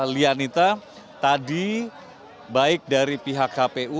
lianita tadi baik dari pihak kpu